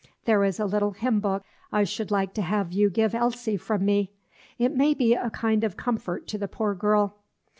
There is a little hymn book I should like to have you give to Elsie from me; it may be a kind of comfort to the poor girl."